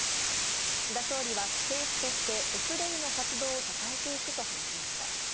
岸田総理は、政府としてエフレイの活動を支えていくと話しました。